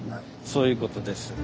そういうことです。